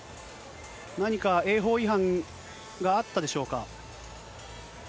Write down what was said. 何か泳法違反があったでしょうか。